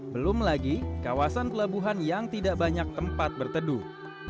belum lagi kawasan pelabuhan yang tidak banyak tempat berteduh